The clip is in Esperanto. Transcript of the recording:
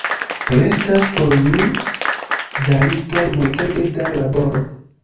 Restas por ni dalitoj multege da laboro.